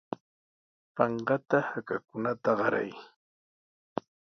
Panqata hakakunata qaray.